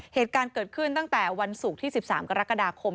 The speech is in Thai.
เหตุการณ์เกิดขึ้นตั้งแต่วันศุกร์ที่๑๓กรกฎาคม